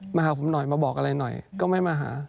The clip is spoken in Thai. มาหาผมหน่อยมาบอกอะไรหน่อยก็ไม่มาหา